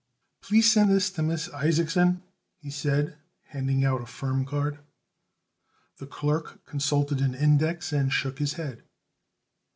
"Please send this to Miss Isaacson," he said, handing out a firm card. The clerk consulted an index and shook his head.